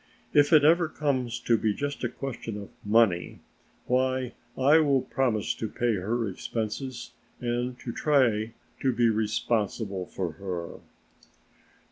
"If it ever comes to be just a question of money, why I will promise to pay her expenses and to try to be responsible for her."